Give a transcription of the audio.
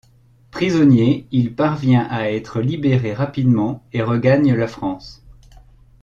Prisonnier, il parvient à être libéré rapidement et regagne la France.